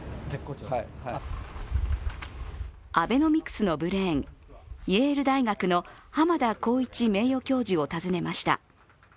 アベノミクスのブレーンイェール大学の浜田宏一名誉教授を訪ねました。